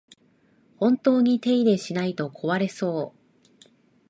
本当に手入れしないと壊れそう